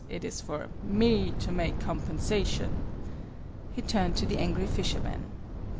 It is for Me to make compensation." He turned to the angry fishermen.